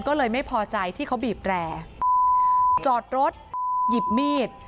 ก็เลยไม่พอใจที่เขาบีบแร่จอดรถหยิบมีด